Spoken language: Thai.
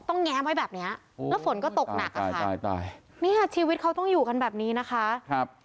แง้มไว้แบบเนี้ยอืมแล้วฝนก็ตกหนักอ่ะตายตายเนี่ยชีวิตเขาต้องอยู่กันแบบนี้นะคะครับ